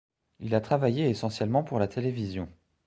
Il a travaillé essentiellement pour la télévision.